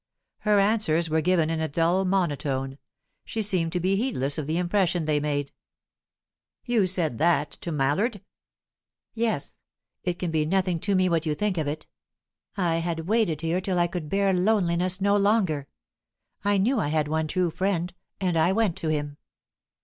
Her answers were given in a dull monotone; she seemed to be heedless of the impression they made. "You said that to Mallard?" "Yes. It can be nothing to me what you think of it. I had waited here till I could bear loneliness no longer; I knew I had one true friend, and I went to him."